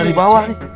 ceng mau dibawah nih